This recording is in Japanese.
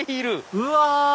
うわ！